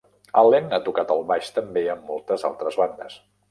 Allen ha tocat el baix també a moltes altres bandes